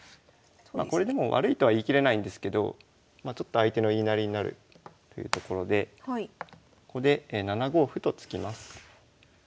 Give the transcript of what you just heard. これでも悪いとは言い切れないんですけどちょっと相手の言いなりになるっていうところでここで７五歩と突きます。